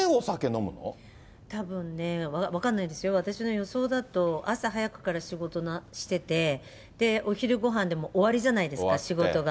たぶんね、分からないですよ、私の予想だと、朝早くから仕事してて、お昼ごはんでもう終わりじゃないですか、仕事が。